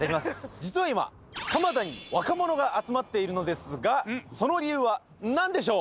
実は今蒲田に若者が集まっているのですがその理由は何でしょう？